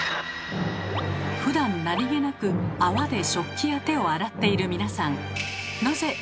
ふだん何気なく泡で食器や手を洗っている皆さん。